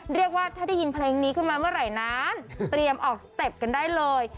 เรียกว่าถ้าได้ยินเพลงนี้ขึ้นมาเมื่อไหร่นั้นเตรียมออกสเต็ปกันได้เลย